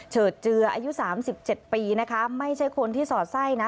เฉดเจืออายุ๓๗ปีนะคะไม่ใช่คนที่สอดไส้นะ